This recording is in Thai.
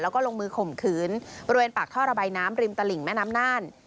แล้วก็ลงมือข่มขืนบริเวณปากท่อระบายน้ำริมตลิ่งแม่น้ำน่าน